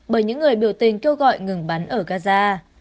bởi những người biểu tình kêu gọi ngừng bắn ở gaza